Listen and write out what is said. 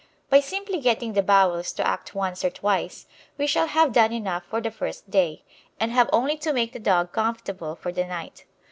By simply getting the bowels to act once or twice, we shall have done enough for the first day, and have only to make the dog comfortable for the night.